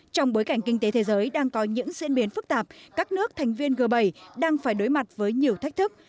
trong bối cảnh kinh tế thế giới đang có những diễn biến phức tạp các nước thành viên g bảy đang phải đối mặt với nhiều thách thức